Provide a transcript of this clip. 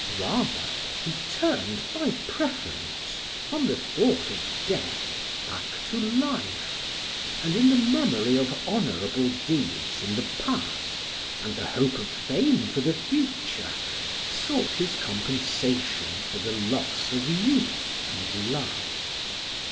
Rather he turned, by preference, from the thought of death back to life, and in the memory of honourable deeds in the past and the hope of fame for the future sought his compensation for the loss of youth and love.